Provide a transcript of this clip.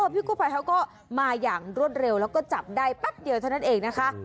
พี่กู้ภัยเขาก็มาอย่างรวดเร็วแล้วก็จับได้แป๊บเดียวเท่านั้นเองนะคะ